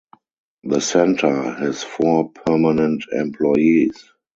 The center has four permanent employees.